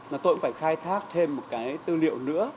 là tôi cũng phải khai thác thêm một cái tư liệu nữa